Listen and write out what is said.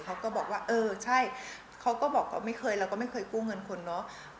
เขาก็บอกว่าเออใช่เขาก็บอกว่าไม่เคยเราก็ไม่เคยกู้เงินคนเนาะ